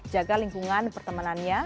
jaga lingkungan pertemanannya